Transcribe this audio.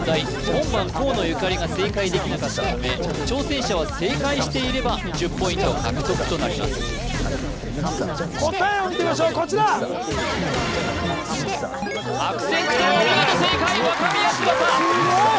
門番・河野ゆかりが正解できなかったため挑戦者は正解していれば１０ポイント獲得となります答えを見てみましょうこちら悪戦苦闘お見事正解若宮翼すごい！